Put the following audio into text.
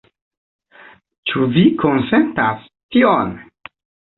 Ĉu vi konsentas tion?